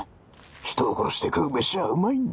人を殺して食う飯はうまいんだ。